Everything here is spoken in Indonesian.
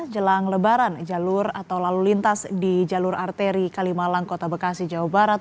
jelang lebaran jalur atau lalu lintas di jalur arteri kalimalang kota bekasi jawa barat